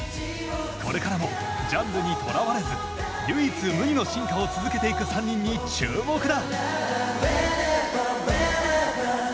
これからもジャンルにとらわれず唯一無二の進化を続けていく３人に注目だ！